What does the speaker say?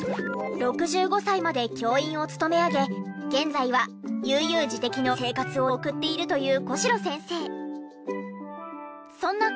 ６５歳まで教員を勤め上げ現在は悠々自適の生活を送っているという小代先生。